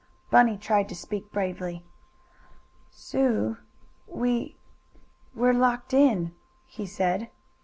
Bunny tried to speak bravely. "Sue we we're locked in!" he said.